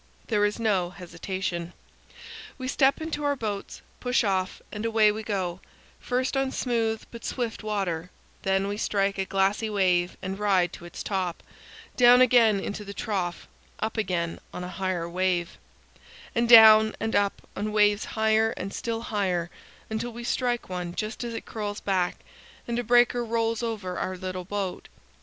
There is no hesitation. We step into our boats, push off, and away we go, first on smooth but swift water, then we strike a glassy wave and ride to its top, down again into the trough, up again on a higher wave, and down and up on waves higher and still higher until we strike one just as it curls back, and a breaker rolls over our little boat.